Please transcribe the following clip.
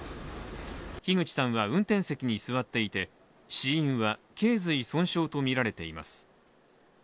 樋口さんは運転席に座っていて死因は、頸髄損傷とみられています。